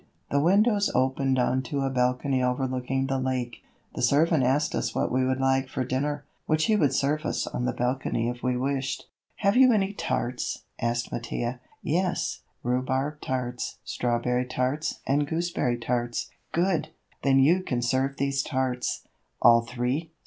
The windows opened onto a balcony overlooking the lake. The servant asked us what we would like for dinner, which he would serve us on the balcony if we wished. "Have you any tarts?" asked Mattia. "Yes, rhubarb tarts, strawberry tarts, and gooseberry tarts." "Good. Then you can serve these tarts." "All three?"